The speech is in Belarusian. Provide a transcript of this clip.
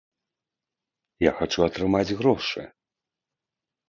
Я хачу атрымаць грошы.